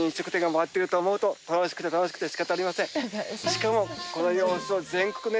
しかも。